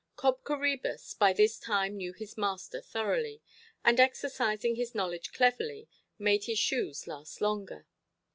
Cob Coræbus by this time knew his master thoroughly; and exercising his knowledge cleverly, made his shoes last longer.